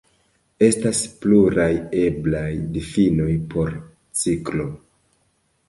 Estas pluraj eblaj difinoj por ciklo.